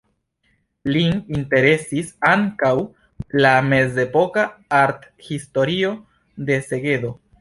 Lin interesis ankaŭ la mezepoka arthistorio de Segedo.